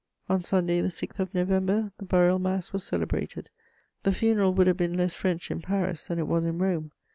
On Sunday the 6th of November, the burial mass was celebrated. The funeral would have been less French in Paris than it was in Rome.